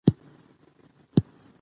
زه خپل ورځنی مهالوېش پلان کوم.